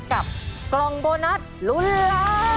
กับกล่องโบนัสลุ้นล้าน